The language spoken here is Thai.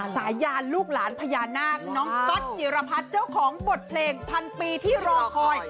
สายานลูกหลานพญานาคน้องก๊อตจิรพัฒน์เจ้าของบทเพลงพันปีที่รอคอย